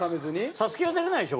『ＳＡＳＵＫＥ』は出れないでしょ？